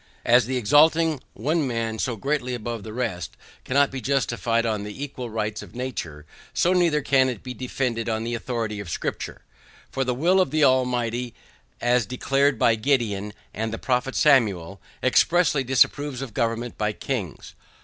As the exalting one man so greatly above the rest cannot be justified on the equal rights of nature, so neither can it be defended on the authority of scripture; for the will of the Almighty, as declared by Gideon and the prophet Samuel, expressly disapproves of government by kings.